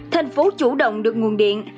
thành phố chủ động được nguồn điện